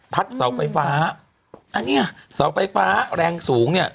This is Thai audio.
พัดเสาไฟฟ้าอันนี้เสาไฟฟ้าแรงสูง